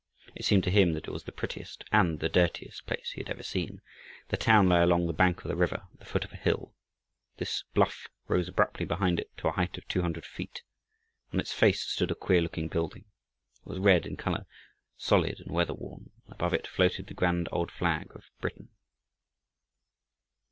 It seemed to him that it was the prettiest and the dirtiest place he had ever seen. The town lay along the bank of the river at the foot of a hill. This bluff rose abruptly behind it to a height of two hundred feet. On its face stood a queer looking building. It was red in color, solid and weather worn, and above it floated the grand old flag of Britain.